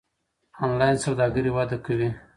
انلاین سوداګري وده کوي.